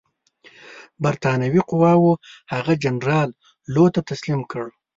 برټانوي قواوو هغه جنرال لو ته تسلیم کړ.